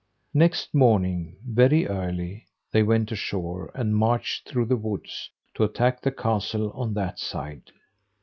Next morning, very early, they went ashore, and marched through the woods, to attack the castle on that side.